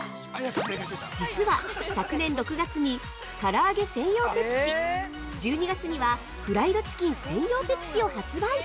◆実は昨年６月にからあげ専用ペプシ、１２月には、フライドチキン専用ペプシを発売！